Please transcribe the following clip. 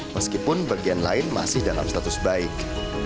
meskipun bagian lain masih dalam status baik